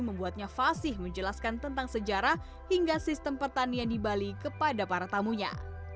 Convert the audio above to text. membuatnya fasih menjelaskan tentang sejarah hingga sistem pertanian di bali kepada para tamunya